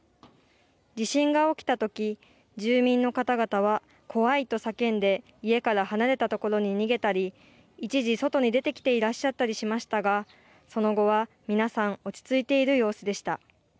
地震が起きたとき、住民の方々は怖いと叫んで家から離れた所に逃げたり一時、外に出てきていらっしゃったりしましたがその後は皆さん、落ち着いている様子でした。